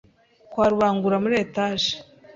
kwa Rubangura muri Etage